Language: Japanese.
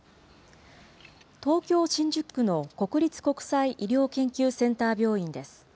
東京・新宿区の国立国際医療研究センター病院です。